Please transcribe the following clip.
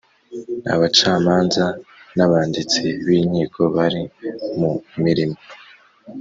Abacamanza n abanditsi b Inkiko bari mu mirimo